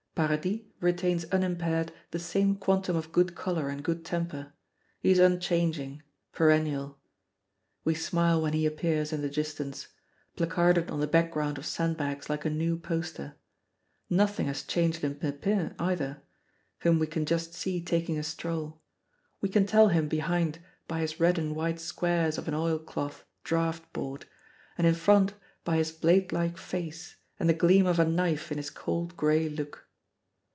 Paradis retains unimpaired the same quantum of good color and good temper; he is unchanging, perennial. We smile when he appears in the distance, placarded on the background of sandbags like a new poster. Nothing has changed in Pepin either, whom we can just see taking a stroll we can tell him behind by his red and white squares of an oilcloth draught board, and in front by his blade like face and the gleam of a knife in his cold gray look.